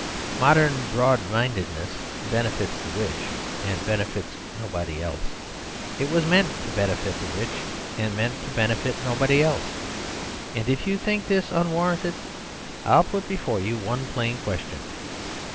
Modern broad mindedness benefits the rich; and benefits nobody else. It was meant to benefit the rich; and meant to benefit nobody else. And if you think this unwarranted, I will put before you one plain question.